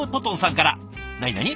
なになに？